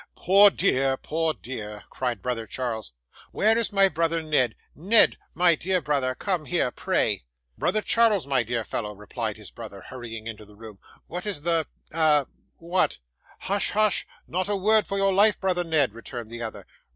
'Poor dear, poor dear!' cried brother Charles 'Where is my brother Ned? Ned, my dear brother, come here pray.' 'Brother Charles, my dear fellow,' replied his brother, hurrying into the room, 'what is the ah! what ' 'Hush! hush! not a word for your life, brother Ned,' returned the other.